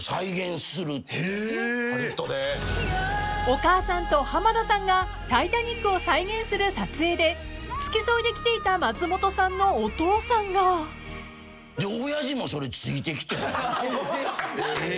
［お母さんと浜田さんが『タイタニック』を再現する撮影で付き添いで来ていた松本さんのお父さんが］えっ！